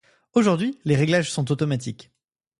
Aujourd'hui, les réglages sont automatiques.